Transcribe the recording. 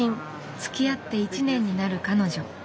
つきあって１年になる彼女。